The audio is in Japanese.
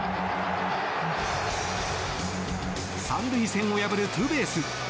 ３塁線を破るツーベース。